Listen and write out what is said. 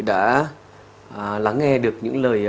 đã lắng nghe được những lời